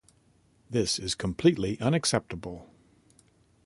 This is completely unacceptable.